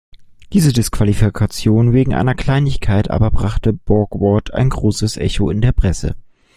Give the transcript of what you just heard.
Diese Disqualifikation wegen einer Kleinigkeit aber brachte Borgward ein großes Echo in der Presse.